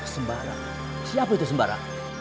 sembara siapa itu sembara